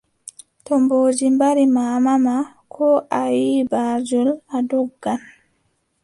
To mboodi mbari maama ma, koo a yiʼi baajol, a doggan.